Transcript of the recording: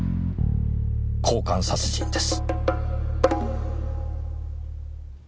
交換殺人です。